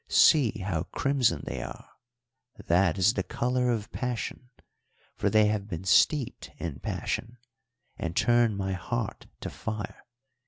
See how crimson they are; that is the colour of passion, for they have been steeped in passion, and turn my heart to fire.